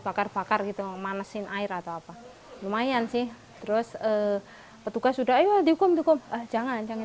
bakar bakar gitu manesin air atau apa lumayan sih terus petugas sudah ayo dihukum cukup jangan jangan